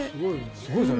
すごいですね。